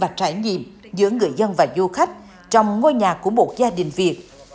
và trải nghiệm giữa người dân và du khách trong ngôi nhà của một gia đình việt